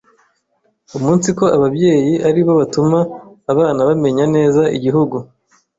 umunsiko ababyeyi aribo batuma abana bamenya neza igihugu